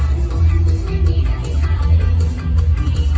มันเป็นเมื่อไหร่แล้ว